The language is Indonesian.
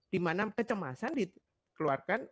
di mana kecemasan dikeluarkan